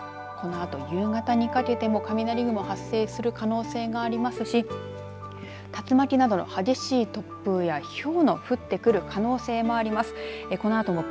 また、このあと夕方にかけても雷雲、発生する可能性がありますし竜巻などの激しい突風やひょうの降ってくる可能性もあります。